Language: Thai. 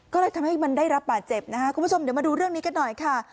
ก็เลยทำให้มันได้รับบาดเจ็บนะคะคุณผู้ชมเดี๋ยวมาดูเรื่องนี้กันหน่อยค่ะ